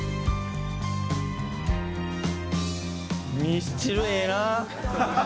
ミスチルええなあ。